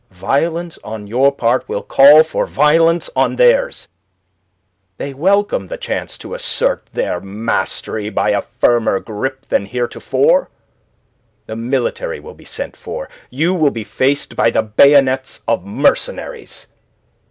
Violence on your part will call for violence on theirs. They will welcome the chance to assert their mastery by a firmer grip than heretofore. The military will be sent for. You will be faced by the bayonets of mercenaries.